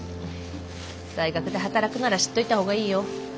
大学で働くなら知っといた方がいいよ。